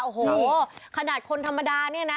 โอ้โหขนาดคนธรรมดาเนี่ยนะ